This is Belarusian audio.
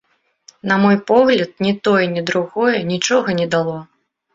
На мой погляд, ні тое, ні другое нічога не дало.